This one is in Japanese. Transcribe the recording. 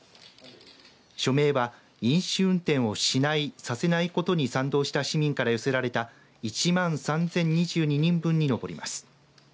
署名は飲酒運転をしないさせないことに賛同した市民から寄せられた１万３０２２人分にのぼります。